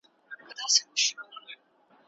خاموشي په کوټه کې د پخوا په څېر نه ده.